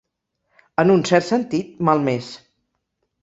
En un cert sentit, malmés.